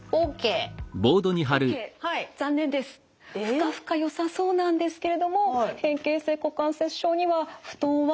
ふかふかよさそうなんですけれども変形性股関節症には布団はＮＧなんです。